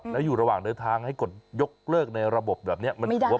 แล้วอยู่ระหว่างเดินทางให้กดยกเลิกในระบบแบบนี้มันถือว่า